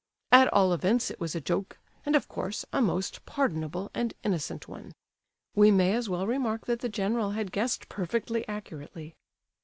At all events, it was a joke, and, of course, a most pardonable and innocent one. We may as well remark that the general had guessed perfectly accurately.